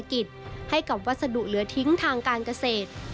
ด้านเศรษฐกิจให้กับวัสดุเหลือทิ้งทางการเกษตร